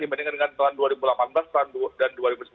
dibandingkan dengan tahun dua ribu delapan belas dan dua ribu sembilan belas